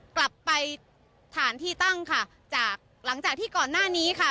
กลับไปฐานที่ตั้งค่ะจากหลังจากที่ก่อนหน้านี้ค่ะ